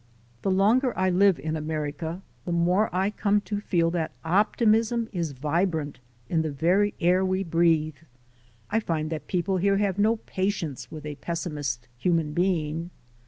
The longer I live in America the more I come to feel that optimism is vibrant in the very air we breathe. I find that people here have no patience with a pessimist human being.